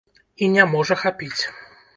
І не можа хапіць.